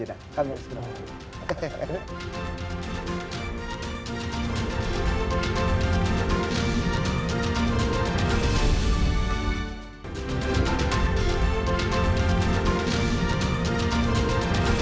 kami akan sekiranya kembali sejenak